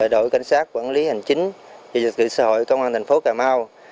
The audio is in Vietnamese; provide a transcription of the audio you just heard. đội cảnh sát quản lý hành chính chủ tịch cơ sở công an tp cà mau